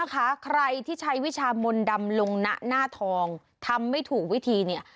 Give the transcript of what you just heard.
ใครที่ใช้วิชามนดรรมลงหน้าทองทำไม่ถูกวิธี